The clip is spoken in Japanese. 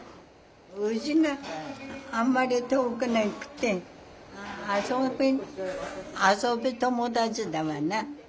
うちがあんまり遠くなくて遊び遊び友達だわな。